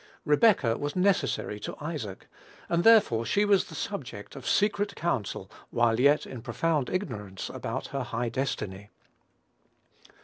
Rebekah was necessary to Isaac, and therefore she was the subject of secret counsel while yet in profound ignorance about her high destiny.